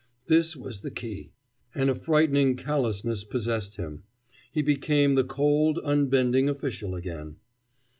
This was the key. An affrighting callousness possessed him. He became the cold, unbending official again.